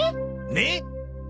ねっ！？